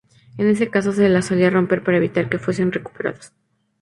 En ese caso, se las solía romper para evitar que fuesen recuperadas.